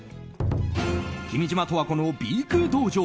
君島十和子の美育道場